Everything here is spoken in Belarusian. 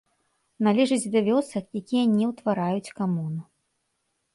Належыць да вёсак, якія не ўтвараюць камуну.